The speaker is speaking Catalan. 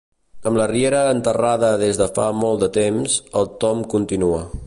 Amb la riera enterrada des de fa molt de temps, el tomb continua.